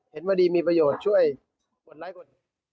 เห็นว่าดีมีประโยชน์ช่วยหมดร้ายคน